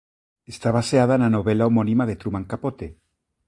Está baseada na novela homónima de Truman Capote.